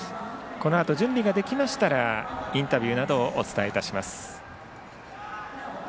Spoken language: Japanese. このあと準備できましたらインタビューなどをお伝えします。